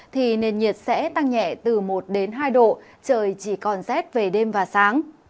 thì nền nhiệt sẽ tăng nhẹ từ một đến hai độ trời chỉ còn rét về đêm và sáng